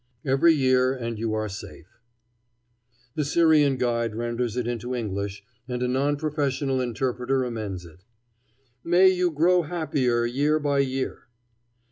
"Every year and you are safe," the Syrian guide renders it into English; and a non professional interpreter amends it: "May you grow happier year by year."